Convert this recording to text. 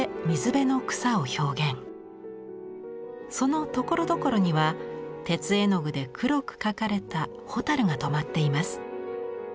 そのところどころには鉄絵の具で黒く描かれたホタルがとまっています。